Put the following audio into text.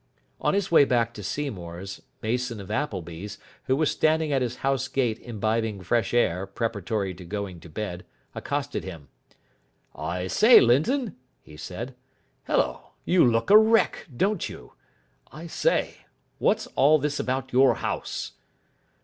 On his way back to Seymour's Mason of Appleby's, who was standing at his house gate imbibing fresh air, preparatory to going to bed, accosted him. "I say, Linton," he said, " hullo, you look a wreck, don't you! I say, what's all this about your house?"